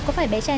có tí việc ấy